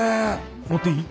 持っていい？